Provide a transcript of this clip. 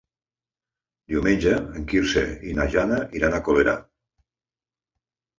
Diumenge en Quirze i na Jana iran a Colera.